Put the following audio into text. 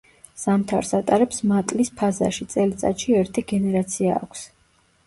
ზამთარს ატარებს მატლის ფაზაში, წელიწადში ერთი გენერაცია აქვს.